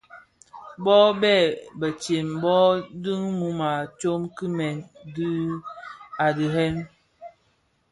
Bon bèn betsem bō dhi mum a toň dhimèè dii a dhirèn.